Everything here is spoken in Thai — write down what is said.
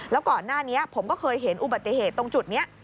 แล้วก่อนหน้านี้ผมก็เคยเห็นอุบัติเหตุตรงจุดนี้